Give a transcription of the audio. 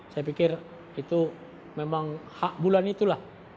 saya pikir itu memang hak bulan itulah